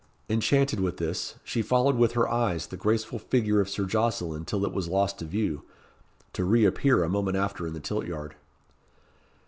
Enchanted with this, she followed with her eyes the graceful figure of Sir Jocelyn till it was lost to view to re appear a moment after in the tilt yard.